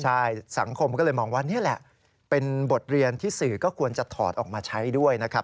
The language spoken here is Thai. ใช่สังคมก็เลยมองว่านี่แหละเป็นบทเรียนที่สื่อก็ควรจะถอดออกมาใช้ด้วยนะครับ